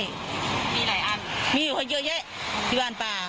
มีหลายอันมีคนเยอะเยอะที่บ้านป่า